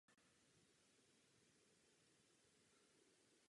Také doprovázel několik dalších významných přírodovědců na různých cestách.